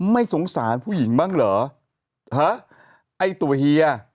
ไม่สงสารผู้หญิงบ้างเหรอฮะไอ้ตัวเฮีย